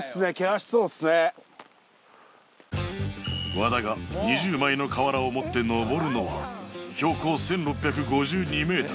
和田が２０枚の瓦を持ってのぼるのは標高１６５２ｍ